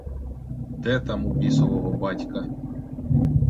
Де там у бісового батька!